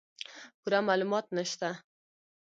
پوره معلومات نشته